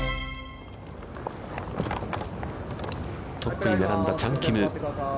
トップに並んだチャン・キム。